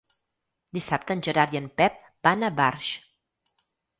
Dissabte en Gerard i en Pep van a Barx.